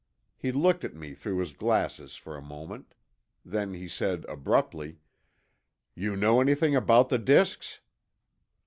He looked at me through his glasses for a moment. Then he said abruptly: "You know anything about the disks?"